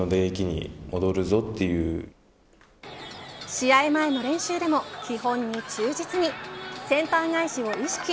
試合前の練習でも基本に忠実にセンター返しを意識。